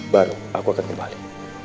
baru aku akan kembali